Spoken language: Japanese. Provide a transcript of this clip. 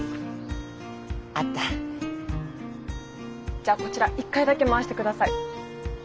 じゃあこちら１回だけ回して下さい。